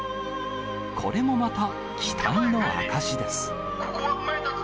これもまた期待の証しです。